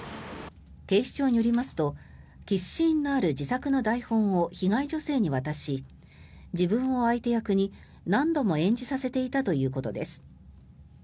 警視庁によりますとキスシーンのある自作の台本を被害女性に渡し自分を相手役に何度も演じさせていたということです。